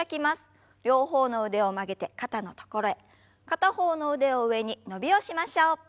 片方の腕を上に伸びをしましょう。